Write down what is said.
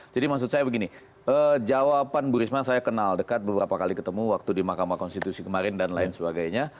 jadi maksud saya begini jawaban bu risma saya kenal dekat beberapa kali ketemu waktu di mahkamah konstitusi kemarin dan lain sebagainya